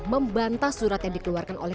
membantah surat yang dikeluarkan oleh